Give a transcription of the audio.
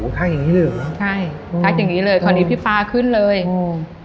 ข้างอย่างงี้เลยเหรอใช่ทักอย่างงี้เลยคราวนี้พี่ฟ้าขึ้นเลยอืม